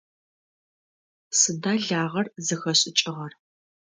Сыда лагъэр зыхэшӏыкӏыгъэр?